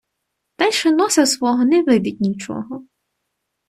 Дальше носа свого не видить нічого.